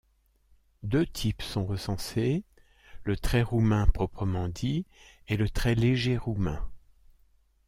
Deux types sont recensés, le trait roumain proprement dit, et le trait léger roumain.